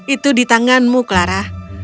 itu di tanganmu clara